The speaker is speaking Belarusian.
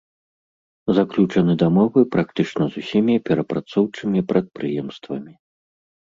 Заключаны дамовы практычна з усімі перапрацоўчымі прадпрыемствамі.